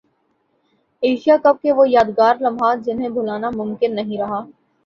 Asia cup کے وہ یادگار لمحات جنہیں بھلانا ممکن نہیں رہا